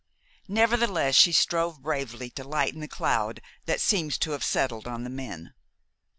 Nevertheless, she strove bravely to lighten the cloud that seemed to have settled on the men.